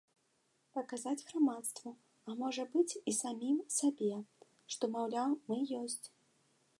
Паказаць грамадству, а можа быць, і самім сабе, што, маўляў, мы ёсць.